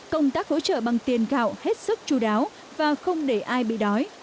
công tác hỗ trợ bằng tiền gạo hết sức chú đáo và không để ai bị đói